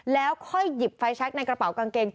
แล้วค่อยหยิบไฟแช็คในกระเป๋ากางเกง